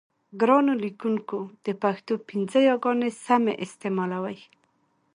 ګرانو لیکوونکو د پښتو پنځه یاګانې سمې استعمالوئ.